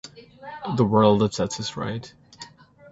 The world that sets this right.